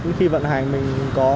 nhưng khi vận hành mình có